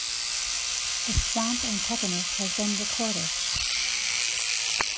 The swamp antechinus has been recorded.